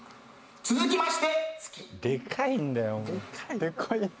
「続きまして」